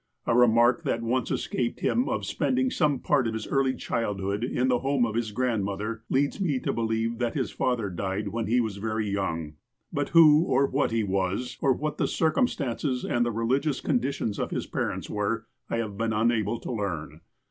A remark that once escaped him of spend iug some part of his early childhood in the home of his grandmother, Ifeads me to believe that his father died when he was very young. But who or what he was, or what the circumstances and the religious conditions of his parents were, I have been unable to learn.